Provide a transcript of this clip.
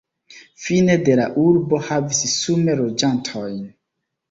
Fine de la urbo havis sume loĝantojn.